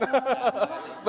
terima kasih pak noko